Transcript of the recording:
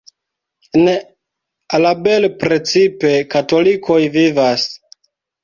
En Alabel precipe katolikoj vivas.